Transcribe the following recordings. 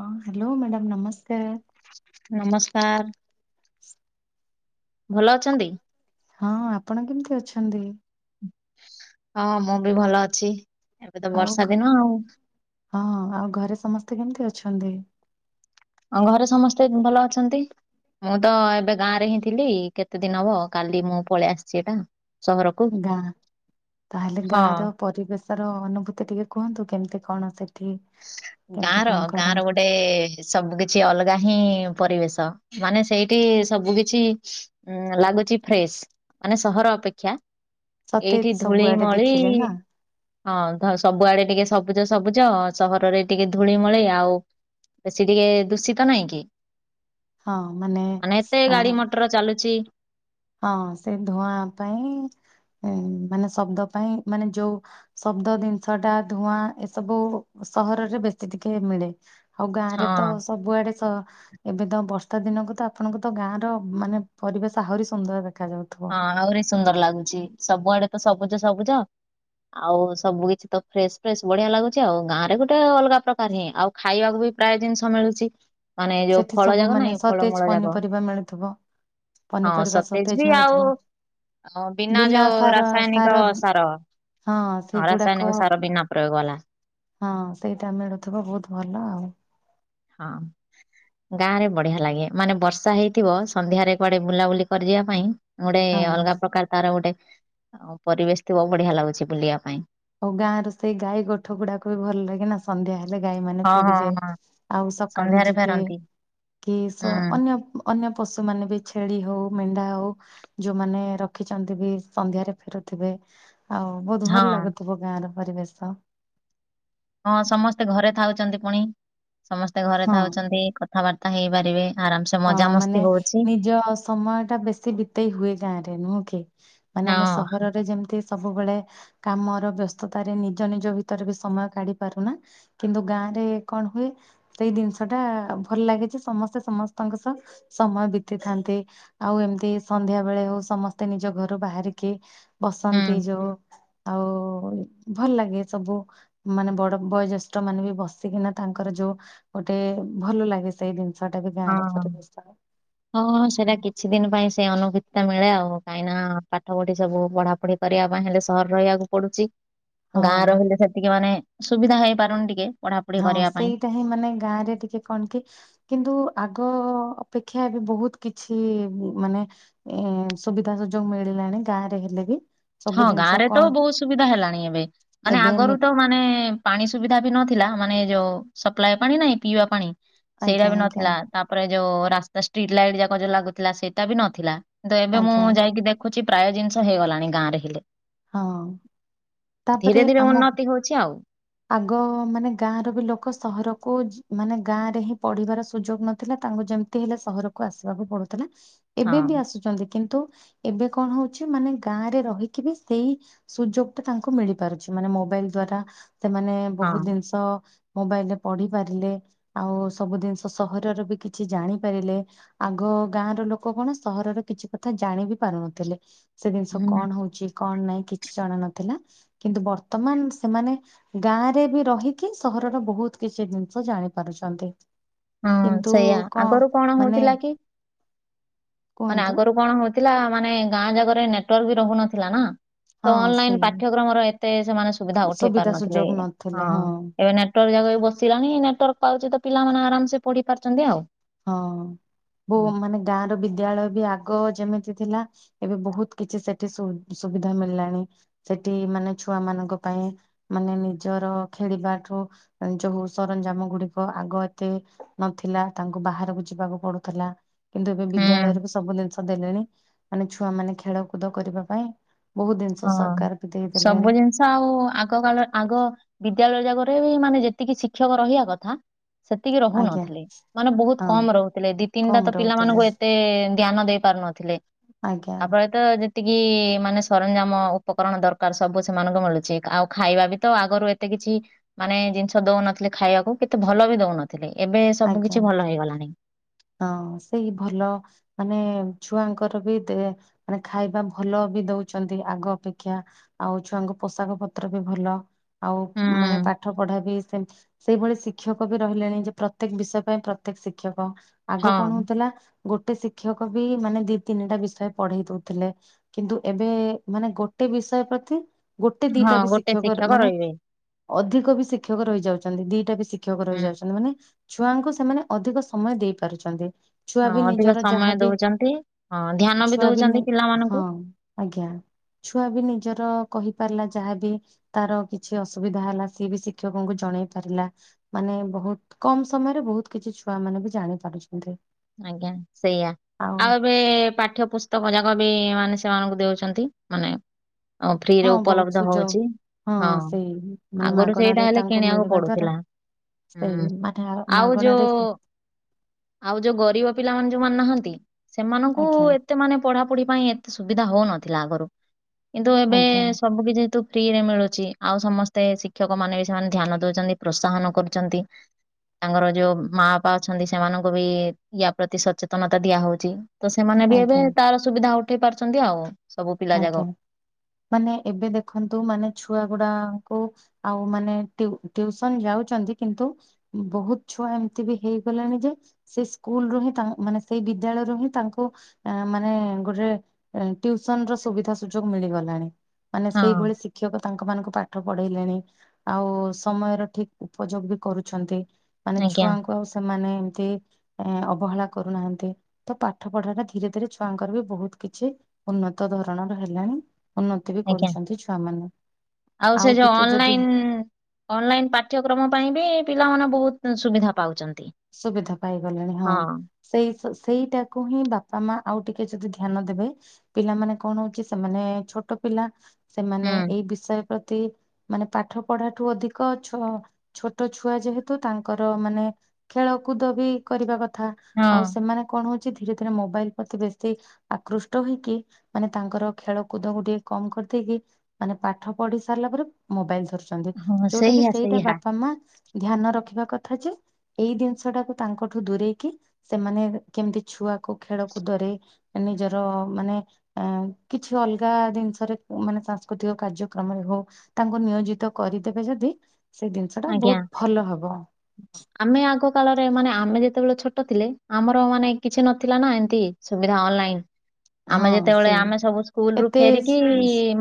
ହଁ hello madam ନମସ୍କାର। ନମସ୍କାର। ଭଲ ଅଛନ୍ତି? ହଁ ଆପଣ କେମିତି ଅଛନ୍ତି? ହଁ ମୁଁ ବି ଭଲ ଅଛି ଏବେ ତ ଆଉ ବର୍ଷା ଘ- ଦିନ ଆଉ। ହଁ ଆଉ ଘରେ ସମସ୍ତେ କେମିତି ଅଛନ୍ତି? ଅଁ ଘରେ ସମସ୍ତେ ଭଲ ଅଛନ୍ତି। ମୁଁ ତ ଏବେ ଗାଁ ରେ ହିଁ ଥିଲି କେତେ ଦିନ ହବ କାଲି ମୁଁ ପଳେଇ ଆସିଚି ଏଟା। ସହରକୁ। ଗାଁ ତାହେଲେ ହଁ। ଗାଁର ପରିବେଶ ର ଅନୁଭୂତି ଟିକେ କୁହନ୍ତୁ କେମିତି କଣ ସେଠି କେମିତି କଣ କରନ୍ତି? ଟେ ସବୁ କିଛି ଅଲଗା ହିଁ ପରିବେଶ ମାନେ ସେଇଠି ସବୁ କିଛି ଉଁ ଲାଗୁଚି ଫ୍ରେଶ ମାନେ ସହର ଅପେକ୍ଷା। ସତେ ଏଇଠି ସବୁଆଡେ ଧୂଳିମଳି ଦେଖିଲେ ନା। ହଁ ଧ ସବୁଆଡ଼େ ଟିକେ ସବୁଜ ସବୁଜ। ସହରରେ ଟିକେ ଧୂଳିମଳି ଆଉ ବେଶୀ ଟିକେ ଦୂଷିତ ନାଇଁ କି? ମାନେ ଏତେ ଆ, ଗାଡ଼ି ମଟର ଚାଲୁଚି। ହଁ ସେ ଧୂଆଁ ପାଇଁ ମାନେ ଶବ୍ଦ ପାଇଁ ମାନେ ଯୋଉ ଶବ୍ଦ ଦିନିଷଟା ଧୂଆଁ ଏସବୁ ସହରରେ ବେଶୀ ଟିକେ ମିଳେ। ଆଉ ଗାଁ ହଁ ରେ ତ ସବୁଆଡ଼େ ସ ଏବେ ତ ବର୍ଷା ଦିନକୁ ତ ଆପଣଙ୍କୁ ତ ଗାଁ ର ମାନେ ପରିବେଶ ଆହୁରି ସ ସୁନ୍ଦର ଦେଖାଯାଉଥୁ। ହଁ ଆହୁରି ସୁନ୍ଦର ଲାଗୁଚି ସବୁଆଡ଼େ ତ ସବୁଜ ସବୁଜ। ଆଉ ସବୁ କିଛି ତ ଫ୍ରେଶ ଫ୍ରେଶ ବଢ଼ିଆ ଲାଗୁଚି ଆଉ ଗାଁ ରେ ଗୋଟେ ଅଲଗା ପ୍ରକାର ହିଁ ଆଉ ଖାଇବାକୁ ବି ପ୍ରାୟ ଜିନିଷ ମିଳୁଚି। ସେଠି ସବୁ ମାନେ ସତେଜ ଯାକ ପନିପରିବା ମିଳୁଥିବ ପନିପରିବା ସତେଜ ବି ଆଉ ମିଳୁଥିବ। ହଁ ବିନା ଯୋଉ ରାସାୟନିକ ସାର ହଁ ରାସାୟନିକ ସାର ବିନା ପ୍ରୟୋଗ ବାଲା। ହଁ ସେଇଟା ମିଳୁଥିବ ବୋହୁତ ଭଲ ଆଉ। ହଁ। ଗାଁ ରେ ବଢ଼ିଆ ଲାଗେ ମାନେ ବର୍ଷା ହେଇଥିବ ସନ୍ଧ୍ୟାରେ କୁଆଡ଼େ ବୁଲାବୁଲି କରିି ଯିବା ପାଇଁ। ଗୋଟେ ଏ ହଁ। ଅଲଗା ପ୍ରକାର ତାର ଗୋଟେ ପରିବେଶ ଥିବ ବଢ଼ିଆ ଲାଗୁଚି ବୁଲିବା ପାଇଁ। ଆଉ ଗାଁ ର ସେଇ ଗାଈ ଗୋଠ ଗୁଡ଼ାକ ବି ଭଲ ଲାଗେ ନା। ସନ୍ଧ୍ୟା ହେଲେ ଗାଈ ମାନେ ହଁ ହଁ ଫେରିବେ ହଁ ଆଉ ସକାଳୁ ସନ୍ଧ୍ୟାରେ ଯିବେ। ଫେରନ୍ତି କି ହୁଁ ସ ଅନ୍ୟ ଅନ୍ୟ ପଶୁ ମାନେ ବି ଛେଳି ହଉ ମେଣ୍ଢା ହୋଉ। ଯୋଉମାନେ ରଖିଛନ୍ତି ବି ସନ୍ଧ୍ୟାରେ ଫେରୁଥିବେ ଆଉ ବହୁତ ହଁ ଭଲ ଲାଗୁଥିବ ଗାଁ ର ପରିବେଶ। ହଁ ସମସ୍ତେ ଘରେ ଥାଉଛନ୍ତି ପୁଣି ସମସ୍ତେ ଘରେ ହଁ ଥାଉଛନ୍ତି କଥାବାର୍ତ୍ତା ହେଇପାରିବେ। ଆରାମ ସେ ହଁ ମଜାମସ୍ତି ମାନେ ହଉଛି ନିଜ ସମୟଟା ବେଶୀ ବିତେଇ ହୁଏ ଗାଁ ରେ ନୁହେଁ କି। ମାନେ ହଁ ଆମେ ସହରରେ ଯେମତି। ସବୁବେଳେ କାମର ବ୍ୟସ୍ତତାରେ ନିଜ ନିଜ ଭିତରେ ବି ସମୟ କାଢି ପାରୁନା। କିନ୍ତୁ ଗାଁରେ କଣ ହୁଏ ସେଇ ଦିନିଷ ଟା ଭଲ ଲାଗେଜେ ସମସ୍ତେ ସମସ୍ ତାଙ୍କ ସହ ସମୟ ବିତିଥାନ୍ତି। ଆଉ ଏମିତି ସନ୍ଧ୍ୟା ବେଳେ ହଉ ସମସ୍ତେ ନିଜ ଘରୁ ବାହାରିକି ବସନ୍ତି ହୁଁ ଯୋଉ ଆଉ ଭଲ ଲାଗେ ସବୁ। ମାନେ ବଡ ବୟୋଜ୍ୟେଷ୍ଠ ମାନେ ବି ବସିକିନା ତାଙ୍କର ଯୋଉ ଗୋଟେ ଭଲ ଲାଗେ ସେଇ ଦିନ ଛୁଆଟା ବି ଗାଁର। ହଁହଁ ପରିବେଶ। ହଁ ସେରା କିଛି ଦିନ ପାଇଁ ସେ ଅନୁଭୂତି ଏଟା ମିଳେ ଆଉ କାହିଁକି ନା ପାଠ ପୁଠି ସବୁ ପଢା ପଢି କରିବା ପାଇଁ ହେଲେ ସହର ରହିବାକୁ ପଡୁଛି। ଗାଁ ହଁ ରହିଲେ ସେତିକି ମାନେ ସୁବିଧା ହେଇପାରୁନି ଟିକେ। ପଢାପଢି ହଁ କରିବା ପାଇଁ ସେଇଟା ହିଁ ମାନେ ଗାଁ ରେ ଟିକେ କଣ କି କିନ୍ତୁ ଆଗ ଅପେକ୍ଷା ବି ବହୁତ କିଛି ମାନେ ଏ ସୁବିଧା ସୁଯୋଗ ମିଳିଲାଣି ଗାଁରେ ହେଲେ ବି। ହଁ ସବୁ ଗାଁ ଜିନିଷ ରେ ତ କଣ ବହୁତ ସୁବିଧା ହେଲାଣି ଏବେ ମାନେ ଏବେ ଆଗରୁ ନେ ତ ମାନେ ପାଣି ସୁବିଧା ବି ନଥିଲା ମାନେ ଯୋଉ ସପ୍ଲାଏ ପାଣି ନାଇଁ ପିଇବା ପାଣି। ସେଇରା ଆଜ୍ଞା ବି ଆଜ୍ଞା ନଥିଲା ତାପରେ ଯୋଉ ରାସ୍ତା ଷ୍ଟ୍ରିଟ ଲାଇଟ୍ ଯାକ ଯୋଉ ଲାଗୁଥିଲା ସେଇଟା ବି ନଥିଲା। ତ ଏବେ ମୁଁ ଆଜ୍ଞା ଯାଇକି ଦେଖୁଛି ପ୍ରାୟ ଜିନିଷ ହେଇଗଲାଣି ଗାଁରେ ହେଲେ। ହଁ ତାପରେ ଧୀରେ ଧୀରେ ଆମ ଉନ୍ନତି ହଉଛି ଆଉ। ଆଗ ମାନେ ଗାଁର ବି ଲୋକ ସହରକୁ ମାନେ ଗାଁ ରେ ହିଁ ପଢିବାର ସୁଯୋଗ ନଥିଲା ତାଙ୍କୁ ଯେମ ତି ହେଲେ ସହରକୁ ଆସିବାକୁ ପଡୁଥିଲା। ହଁ ଏବେ ବି ଆସୁଛନ୍ତି କିନ୍ତୁ ଏବେ କଣ ହଉଛି ମାନେ ଗାଁରେ ରହିକି ବି ସେଇ ସୁଯୋଗ ଟା ତାଙ୍କୁ ମିଳି ପାରୁଛି ମାନେ ମୋବାଇଲ ଦ୍ଵାରା ସେମାନେ ହଁ ବହୁତ ଜିନିଷ ମୋବାଇଲରେ ପଢି ପାରିଲେ। ଆଉ ସବୁ ଜିନିଷ ସହରର ବି କିଛି ଜାଣିପାରିଲେ। ଆଗ ଗାଁ ର ଲୋକ କଣ ସହରର କିଛି କଥା ଜାଣି ବି ପାରୁନଥିଲେ। ସେ ଜିନିଷ ହୁଁ କଣ ହଉଛି କଣ ନାଇଁ କିଛି ଜଣା ନଥିଲା କିନ୍ତୁ ବର୍ତ୍ତମାନ ସେମାନେ ଗାଁ ରେ ବି ରହିକି ସହରର ବହୁତ କିଛି ଜିନିଷ ଜାଣିପାରୁଛନ୍ତି‌। ହଁ କିନ୍ତୁ ସେଇଆ କଣ ଆଗରୁ ମାନେ ହଉଥିଲା କି ମାନେ କୁହନ୍ତୁ ଆଗରୁ କଣ ହଉଥିଲା ମାନେ ଗାଁ ଜାଗରେ ନେଟୱାର୍କ ବି ରହୁନଥିଲା ନା। ତ ହଁ ଅନଲାଇନ ସେଇ ପାଠ୍ୟକ୍ରମର ଏତେ ସେମାନେ ସୁବିଧା ଉଠେଇ ପାରୁନଥିଲେ। ହଁ ଏବେ ନେଟ ନେଟୱାର୍କ ଜାକ ବି ବସିଲାଣି ନେଟୱାର୍କ ପାଉଛି ତ ପିଲାମାନେ ଆରାମସେ ପଢି ପାରୁଛନ୍ତି ଆଉ। ହଁ ବୋ ହୁଁ ମାନେ ଗାଁ ର ବିଦ୍ୟାଳୟ ବି ଆଗ ଯେମିତି ଥିଲା ଏବେ ବହୁତ କିଛି ସେଠି ସୁବିଧା ମିଳିଲାଣି। ସେଠି ମାନେ ଛୁଆ ମାନଙ୍କ ପାଇଁ ମାନେ ନିଜର ଖେଳିବାଠୁ ଯୋଉ ସରଞ୍ଜାମ ଗୁଡିକ ଆଗ ଏତେ ନଥିଲା। ତାଙ୍କୁ ବାହାରକୁ ଯିବାକୁ ପଡୁଥିଲା କିନ୍ତୁ ଏବେ ବିଦ୍ୟାଳୟରେ ବି ସବୁ ଜିନିଷ ଦେଲେଣି। ମାନେ ଛୁଆ ମାନେ ଖେଳକୁଦ କରିବା ପାଇଁ ବହୁତ ଜିନିଷ ହଁ। ସରକାର ବି ସବୁ ଦେଇଦେଲେଣି। ଜିନିଷ ଆଉ ଆଗ କାଳ ଆଗ ବିଦ୍ୟାଳୟ ଜାଗରେ ବି ମାନେ ଯେତିକି ଶିକ୍ଷକ ରହିବା କଥା ସେତିକି ଆଜ୍ଞା ରହୁନଥିଲେ ମାନେ ବହୁତ ହଁ କମ ରହୁଥିଲେ। ଦି ତିନିଟା ତ କମ ରହୁଥିଲେ ପିଲାମାନଙ୍କୁ ଏତେ ଧ୍ୟାନ ଦେଇ ପାରୁ ନଥିଲେ। ଆଜ୍ଞା ଆପରେ ତ ଯେତିକି ମାନେ ସରଞ୍ଜାମ ଉପକରଣ ଦରକାର ସବୁ ସେମାନଙ୍କୁ ମିଳୁଛି। ଆଉ ଖାଇବା ବି ତ ଆଗରୁ ଏତେ କିଛି ମାନେ ଜିନିଷ ଦଉନଥିଲେ ଖାଇବାକୁ ଏତେ ଭଲ ବି ଦଉନଥିଲେ। ଏବେ ସବୁ ଆଜ୍ଞା କିଛି ଭଲ ହେଇଗଲାଣି। ହଁ ସେଇ ଭଲ ମାନେ ଛୁଆଙ୍କର ବି ଦେ ମାନେ ଖାଇବା ଭଲ ବି ଦଉଛନ୍ତି ଆଗ ଅପେକ୍ଷା। ଆଉ ଛୁଆଙ୍କୁ ପୋଷାକ ପତ୍ର ବି ଭଲ। ଆଉ ମାନେ ହୁଁ ପାଠ ପଢା ବି ସେମତି ସେଇଭଳି ଶିକ୍ଷକ ବି ରହିଲେଣି ଯେ ପ୍ର ପ୍ରତ୍ୟେକ ବିଷୟ ପାଇଁ ପ୍ରତ୍ୟେକ ଶିକ୍ଷକ ଆଗ ହଁ କଣ ହଉଥିଲା? ଗୋଟେ ଶିକ୍ଷକ ବି ମାନେ ଦି ତିନିଟା ବିଷୟ ପଢେଇ ଦଉଥିଲେ। କିନ୍ତୁ ଏବେ ମାନେ ଗୋଟେ ବିଷୟ ପ୍ରତି ଗୋଟେ ହଁ ଦିଟା ବି ଗୋଟେ ଶିକ୍ଷକ ମାନେ ରହିବେ ଅଧିକ ବି ଶିକ୍ଷକ ରହି ଯାଉଛନ୍ତି। ଦିଟା ବି ଶିକ୍ଷକ ହୁଁ ରହିଯାଉଛନ୍ତି ମାନେ ଛୁଆଙ୍କୁ ସେମାନେ ଅଧିକ ସମୟ ଦେଇ ପାରୁଛନ୍ତି। ଛୁଆ ହଁ ବି ଅଧିକ ନିଜର ସମୟ ଯାହାବି ଦଉଛନ୍ତି ହଁ ଧ୍ୟାନ ଛୁଆ ବି ଦଉଛନ୍ତି ହଁ। ପିଲାମାନଙ୍କୁ ଆଜ୍ଞା ଛୁଆ ବି ନିଜର କହିପାରିଲା ଯାହାବି ତାର କିଛି ଅସୁବିଧା ହେଲା ସିଏ ବି ଶିକ୍ଷକଙ୍କୁ ଜଣେଇ ପାରିଲା। ମାନେ ବୋହୁତ କମ ସମୟରେ ବୋହୁତ କିଛି ଛୁଆ ମାନେ ବି ଜାଣି ପାରୁଛନ୍ତି। ଆଜ୍ଞା ସେଇଆ ଆଉ ଏବେ ପାଠ୍ୟ ପୁସ ତକ ଯାକ ବି ମାନେ ସେମାନଙ୍କୁ ଦଉଛନ୍ତି। ମାନେ ଅ ଫ୍ରିରେ ହଁ ବହୁତ ଉପଲବ୍ଧ ସୁଯୋଗ ହଉଛି। ହଁ ସେଇ ମାନେ ଆଗରୁ ସେଇଟା ମାଗଣାରେ ହେଲେ ତାଙ୍କୁ କିଣିବାକୁ ମିଳିବା ଦ୍ଵାରା ପଡୁଥିଲା। ସେଇ ହୁଁ ମାନେ ଆଉ ମାଗଣାରେ ଯୋଉ ଆଉ ଯୋଉ ଗରିବ ପିଲାମାନେ ଯୋଉମାନେ ନାହାନ୍ତି। ସେମାନଙ୍କୁ ଆଜ୍ଞା ଏତେ ମାନେ ପଢାପଢି ପାଇଁ ଏତେ ସୁବିଧା ହଉନଥିଲା ଆଗରୁ କିନ୍ତୁ ଏବେ ଆଜ୍ଞା ସବୁ କି ଯେତୁ ଫ୍ରି ରେ ମିଳୁଛି ଆଉ ସମସ୍ତେ ଶିକ୍ଷକ ମାନେ ବି ସେମାନେ ଧ୍ୟାନ ଦଉଛନ୍ତି ପ୍ରୋତ୍ସାହନ କରୁଛନ୍ତି। ତାଙ୍କର ଯୋଉ ମା ବାପା ଅଛନ୍ତି। ସେମାନଙ୍କୁ ବି ୟା ପ୍ରତି ସଚେତନତା ଦିଆ ହଉଛି ତ ସେମାନେ ବି ଏବେ ଆଜ୍ଞା ତାର ସୁବିଧା ଉଠେଇ ପାରୁଛନ୍ତି ଆଉ। ସବୁ ପିଲା ଯାକ। ଆଜ୍ଞା ମାନେ ଏବେ ଦେଖନ୍ତୁ ମାନେ ଛୁଆ ଗୁଡାଙ୍କୁ ଆଉ ମାନେ ଟିୟୁ ଟିୟୁସନ ଯାଉଛନ୍ତି କିନ୍ତୁ ବୋହୁତ ଛୁଆ ଏମିତି ବି ହେଇଗଲାଣି ଯେ ସେ ସ୍କୁଲ ରୁ ହିଁ ତା ମାନେ ସେଇ ବିଦ୍ୟାଳୟରୁୁ ହିଁ ତାଙ୍କୁ ତା ମାନେ ଗୋଟେ ସନର ସୁବିଧା ସୁଯୋଗ ମିଳିଗଲାଣି ମାନେ ହଁ ସେଇଭଳି ଶିକ୍ଷକ ତାଙ୍କ ମାନଙ୍କୁ ପାଠ ପଢେଇଲେଣି। ଆଉ ସମୟର ଠିକ ଉପଯୋଗ ବି କରୁଛନ୍ତି। ମାନେ ଆଜ୍ଞା ଛୁଆଙ୍କୁ ଆଉ ସେମାନେ ଏମତି ଏ ଅବହେଳା କରୁନାହାନ୍ତି। ତ ପାଠ ପଢାଟା ଧୀରେ ଧୀରେ ଛୁଆଙ୍କର ବି ବୋହୁତ କିଛି ଉନ୍ନତ ଧରଣର ହେଲାଣି। ଉନ୍ନତି ବି ଆଜ୍ଞା କରୁଛନ୍ତି ଛୁଆ ମାନେ ସେ ଆଉ ଯୋଉ ଟିକେ ଯଦି ଅନଲାଇନ ଅନଲାଇନ ପାଠ୍ୟକ୍ରମ ପାଇଁ ବି ପିଲାମାନେ ବୋହୁତ ସୁବିଧା ପାଉଛନ୍ତି। ସୁବିଧା ପାଇଗଲେଣି ହଁ। ସେଇ ସେଇଟାକୁ ହିଁ ବାପା ମା ଆଉ ଟିକେ ଯଦି ଧ୍ୟାନ ଦେବେ ପିଲାମାନେ କଣ ହଉଛି ସେମାନେ ଛୋଟ ପିଲା ସେମାନେ ହୁଁ ଏଇ ବିଷୟରେ ପ୍ରତି ମାନେ ପାଠ ପଢାଠୁ ଅଧିକ ଛୁ ଛୋଟ ଛୁଆ ଯେହେତୁ ତାଙ୍କର ମାନେ ଖେଳକୁଦ ବି କରିବା କଥା ଆଉ ହଁ। ସେମାନେ କଣ ହଉଛି ଧୀରେ ଧୀରେ ମୋବାଇଲ ପ୍ରତି ବେଶୀ ଆକୃଷ୍ଟ ହେଇକି ମାନେ ତାଙ୍କର ଖେଳକୁଦକୁ ଟିକେ କମ କରିଦେଇକି ମାନେ ପାଠ ପଢି ସାରିଲା ପରେ ମୋବାଇଲ ଧର ଛନ୍ତି ହଁ ଯୋଉଟା କି ସେଇଆ ସେଇଟା ସେଇଆ ବାପା ମା ଧ୍ୟାନ ରଖିବା କଥା ଯେ ଏଇ ଜିନିଷ ଟାକୁ ତାଙ୍କଠୁ ଦୂରେଇକି ସେମାନେ କେମିତି ଛୁଆକୁ ଖେଳକୁ ଦରେ ନିଜର ମାନେ ଅ କିଛି ଅଲଗା ଜିନିଷରେ ମାନେ ସାଂସ୍କୃତିକ କାର୍ଯ୍ୟକ୍ରମରେ ହଉ। ତାଙ୍କୁ ନିୟୋଜିତ କରିଦେବେ ଯଦି ସେ ଜିନିଷ ଟା ଆଜ୍ଞା। ବହୁତ ଭଲ ହବ। ଆମେ ଆଗ କାଳରେ ମାନେ ଆମେ ଯେତେବେଳେ ଛୋଟ ଥିଲେ ଆମର ମାନେ କିଛି ନଥିଲା ନା ଏମତି ସୁବିଧା ଅନଲାଇନ। ଆମେ ହଁ ଯେତେବେଳେ ସେଇ ଆମେ ସବୁ ସ୍କୁଲ ରୁ ଏତେ ଫେରିକି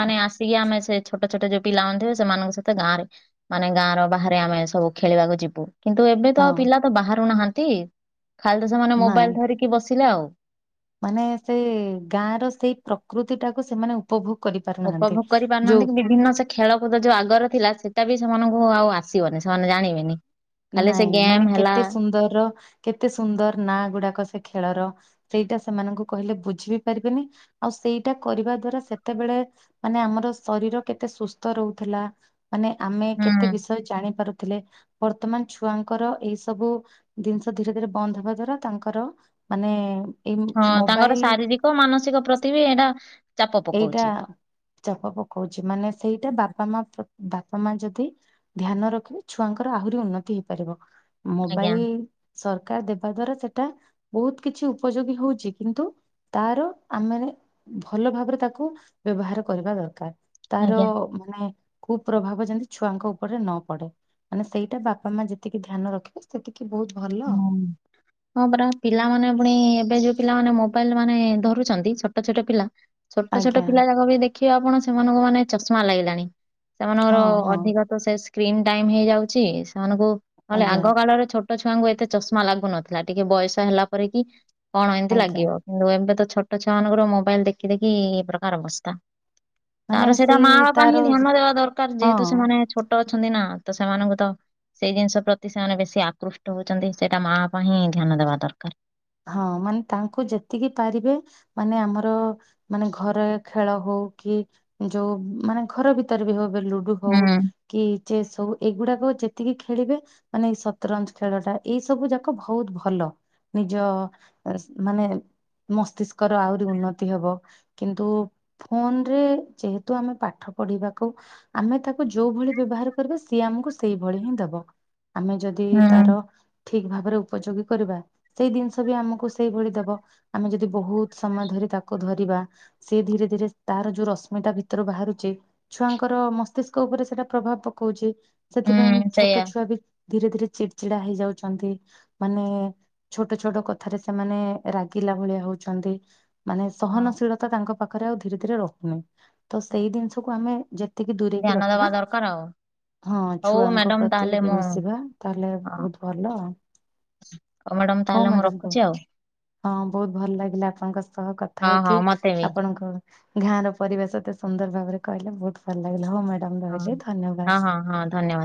ମାନେ ଆସି ସିକୀ ଆମେ ସେ ଛୋଟ ଛୋଟ ଯୋଉ ପିଲାମାନେଥିବ ସେମାନଙ୍କ ସହିତ ଗାଁ ରେ ମାନେ ଗାଁର ବାହାରେ ଆମେ ସବୁ ଖେଳିବାକୁ ଯିବୁ କିନ୍ତୁ ଏବେ ତ ଆଉ ହଁ ପିଲା ତ ବାହାରୁ ନାହାନ୍ତି। ଖାଲି ତ ସେମାନେ ମୋବାଇଲ ନାଇଁ ଧରିକି ବସିଲେ ଆଉ। ମାନେ ସେ ଗାଁ ର ସେଇ ପ୍ରକୃତି ଟାକୁ ସେମାନେ ଉ ପଭୋଗ କରିପାରୁନାହାନ୍ତି ଉପଭୋଗ କରି ପାରୁନାହାନ୍ତି କି ଯୋଉ ବିଭିନ୍ନ ସେ ଖେଳକୁଦ ଯୋଉ ଆଗର ଥିଲା ସେଟା ବି ସେମାନଙ୍କୁ ଆଉ ଆସିବନି ସେମାନେ ଜାଣିବେନି। ଖାଲି ସେ ନାଇଁ ଗେମ୍ ମାନେ ହେଲା କେତେ ସୁନ୍ଦରର କେତେ ସୁନ୍ଦର ନାଁ ଗୁଡାକ ସେ ଖେଳର। ସେଇଟା ସେମାନଙ୍କୁ କହିଲେ ବୁଝି ବିି ପାରିବେନି ଆଉ ସେଇଟା କରିବା ଦ୍ଵାରା ସେତେବେଳେ ମାନେ ଆମର ଶରୀର କେତେ ସୁସ୍ଥ ରହୁଥିଲା। ମାନେ ଆମେ କେତେ ହୁଁ। ବିଷୟ ଜାଣି ପାରୁଥିଲେ। ବର୍ତ୍ତମାନ ଛୁଆଙ୍କର ଏଇ ସବୁ ଜିନିଷ ଧୀରେ ଧୀରେ ବନ୍ଦ ହବା ଦ୍ଵାରା ତାଙ୍କର ମାନେ ଏଇ ହଁ ତାଙ୍କର ମୋବାଇଲ ଶାରୀରିକ ମାନସିକ ପ୍ରତି ବି ଏରା ଏଇଟା ଚାପ ପକଉଛି ମାନେ ସେଇଟା ବାପା ମା ବାପା ମା ଯଦି ଧ୍ୟାନ ରଖିବେ ଛୁଆଙ୍କର ଆହୁରି ଉନ୍ନତି ହେଇପାରିବ। ଆଜ୍ଞା ମୋବାଇଲ ସରକାର ଦେବା ଦ୍ଵାରା ସେଟା ବହୁତ କିଛି ଉପଯୋଗୀ ହଉଛି କିନ୍ତୁ ତାର ଆମ ମାନେ ଭଲ ଭାବରେ ତାକୁ ବ୍ୟବହାର କରିବା ଦରକାର ତାର ଆଜ୍ଞା ମାନେ କୁ ପ୍ରଭାବ ଯେମିତି ଛୁଆଙ୍କ ଉପରେ ନ ପଡେ ମାନେ ସେଇଟା ବାପା ମା ଯେତିକି ଧ୍ୟାନ ରଖିବେ ସେତିକି ବହୁତ ଭଲ। ହଁ। ହଁ ପରା ପିଲାମାନେ ପୁଣି ଏବେ ଯୋଉ ପିଲାମାନେ ମୋବାଇଲ ମାନେ ଧରୁଛନ୍ତି ଛୋଟ ଛୋଟ ପିଲା ଛୋଟ ଛୋଟ ଆଜ୍ଞା। ପିଲା ଯାକ ବି ଦେଖିବେ ଆପଣ ସେମାନଙ୍କୁ ମାନେ ଚଷମା ଲାଗିଲାଣି ସେମାନଙ୍କର ହଁ ହଁ ଅଧିକ ସେ ସ୍କ୍ରିନ୍ ଟାଇମ ହେଇଯାଉଛି ସେମାନଙ୍କୁ ନହେଲେ ଆଜ୍ଞା ଆଗ କାଳ ରେ ଛୋ ଛୁଆଙ୍କୁ ଏତେ ଚଷମା ଲାଗୁନଥିଲା ଟିକେ ବୟସ ହେଲା ପରେ କି କଣ ଏମିତି ଆଜ୍ଞା ଲାଗିବ। କିନ୍ତୁ ଏବେ ତ ଛୋଟ ଛୁଆାନଙ୍କର ମୋବାଇଲ ଦେଖି ଦେଖି ଏଇ ପ୍ରକାର ଅବସ୍ତା। ମାନେ ତାର ସେଇଟା ସେଇ ମା ବାପା ହିଁ ତାର ଧ୍ୟାନ ଦେବା ଦରକାର ଯେହେତୁ ହଁ ସେମାନେ ଛୋ ଟ ଅଛନ୍ତି ନା ତ ସେମାନଙ୍କୁ ତ ସେଇ ଜିନିଷ ପ୍ରତି ସେମାନେ ବେଶୀ ଆକୃ ଟ ହଉଛନ୍ତି ସେଟା ମା ପାଇଁ ହିଁ ଧ୍ୟାନ ଦେବା ଦରକାର। ହଁ ମାନେ ତାଙ୍କୁ ଯେତିକି ପାରିବେ ମାନେ ଆମର ମାନେ ଘରେ ଖେଳ ହଉ କି ଯୋଉ ମାନେ ଘର ଭିତରେ ବି ହଉ ଏ ଲୁଡୁ ହଉ। ହୁଁ କି ଚେସ୍ ସବୁ ଏଇଗୁଡାକ ଯେତିକି ଖେଳିବେ ମାନେ ଏଇ ସତରଞ୍ଜ ଖେଳ ଟା ଏଇ ସବୁ ଯାକ ବହୁତ ଭଲ। ନିଜ ମାନେ ମସ୍ତିଷ୍କ ର ଆହୁରି ଉନ୍ନତି ହବ କିନ୍ତୁ ଫୋନ ରେ ଯେହେତୁ ଆମେ ପାଠ ପଢିବାକୁ ଆମେ ତାକୁ ଯୋଉ ଭଳି ବ୍ୟବହାର କରିବା ସିଏ ଆମକୁ ସେଇଭଳି ହିଁ ଦବ। ଆମେ ଯଦି ତାର ହୁଁ। ଠିକ୍ ଭାବରେ ଉପଯୋଗୀ କରିବା ସେଇ ଜିନିଷ ବି ଆମକୁ ସେଇଭଳି ଦବ ଆମେ ଯଦି ବହୁତ୍ ସମୟ ଧରି ତାକୁ ଧରିବା ସେ ଧୀରେ ଧୀରେ ତାର ଯୋଉ ରଶ୍ମିତା ଭିତରୁ ବାହାରୁଚି। ଛୁଆଙ୍କର ମସ୍ତିଷ୍କ ଉପରେ ସେଟା ପ୍ରଭାବ ପକୋଉଚି। ସେଥିପାଇଁ ହୁଁ ସେଇଆ ଛୋଟ ଛୁଆ ବି ଧୀରେ ଧୀରେ ଚିଡି ଚିଡା ହେଇଯାଉଛନ୍ତି ମାନେ। ଛୋଟ ଛୋଟ କଥାରେ ସେମାନେ ରାଗିଲା ଭଳିଆ ହଉଛନ୍ତି। ମାନେ ହଁ ସହନଶୀଳତା ତାଙ୍କ ପାଖରେ ଆଉ ଧୀରେ ଧୀରେ ରହୁନି। ତ ସେଇ ଜିନିଷକୁ ଆମେ ଯେତିକି ଦୂରେଇକି ଧ୍ୟାନ ଦବା ରଖିବା। ଦରକାର ଆଉ ହଁ ହଉ ଛୁଆଙ୍କ ମ୍ୟାଡାମ ପ୍ରତି ତାହେଲେ ବି ମୁଁ ମିଶିବା ତାଲେ ବହୁତ୍ ଭଲ। ମ୍ୟାଡ଼ାମ ହଉ ତାହେଲେ ମୁଁ ମ୍ୟାଡାମ ବହୁତ ରଖୁଚି ଆଉ। ହଁ ବହୁତ ଭଲ ଲାଗିଲା ଆପଣଙ୍କ ସହ କଥା ହଁ ହଁ ହେଇକି ମତେ ବି ଆପଣଙ୍କ ଘାଁ ର ପରିବେଶ ଏତେ ସୁନ୍ଦର ଭାବରେ କହିଲେ ବହୁତ ଭଲ ଲାଗିଲା ହଁ ମ୍ୟାଡାମ ହଁ ରହିଲି ହଁ ଧନ୍ୟବାଦ। ହଁ ହଁ ଧନ୍ୟବାଦ।